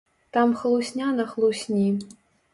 Там хлусня на хлусні.